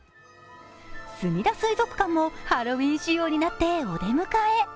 すみだ水族館もハロウィーン仕様になってお出迎え。